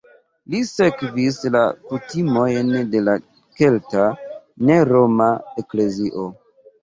Li sekvis la kutimojn de la kelta, ne la roma, eklezio.